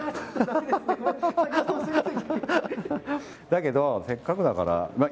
だけどせっかくだから。